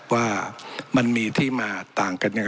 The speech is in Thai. ว่ามันมีที่มาต่างกัน